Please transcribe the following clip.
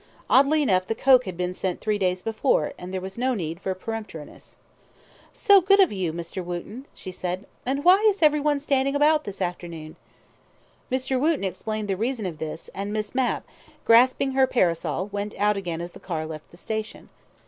Oddly enough the coke had been sent three days before, and there was no need for peremptoriness. "So good of you, Mr. Wootten!" she said; "and why is everyone standing about this afternoon?" Mr. Wootten explained the reason of this, and Miss Mapp, grasping her parasol went out again as the car left the station.